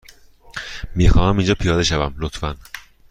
می خواهم اینجا پیاده شوم، لطفا.